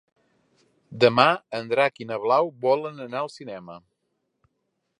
Demà en Drac i na Blau volen anar al cinema.